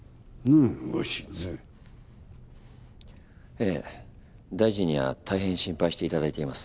ええ大臣にはたいへん心配していただいています。